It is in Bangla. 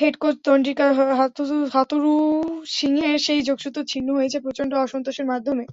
হেড কোচ চন্ডিকা হাথুরুসিংহের সেই যোগসূত্র ছিন্ন হয়েছে প্রচণ্ড অসন্তোষের মাধ্যমে।